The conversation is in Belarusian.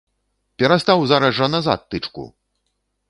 Перастаў зараз жа назад тычку!